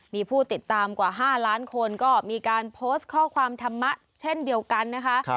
มีผู้ติดตามกว่า๕ล้านคนก็มีการโพสต์ข้อความธรรมะเช่นเดียวกันนะคะ